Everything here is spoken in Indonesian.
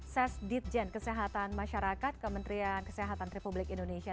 ses ditjen kesehatan masyarakat kementerian kesehatan republik indonesia